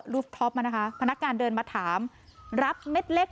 ลูฟท็อปพนักการเดินมาถามรับเม็ดเล็ก